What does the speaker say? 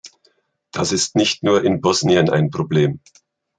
Das ist nicht nur in Bosnien ein Problem.